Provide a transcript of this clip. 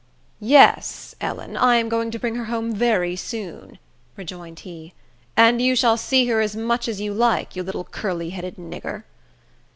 "Yes, Ellen, I am going to bring her home very soon," rejoined he; "and you shall see her as much as you like, you little curly headed nigger."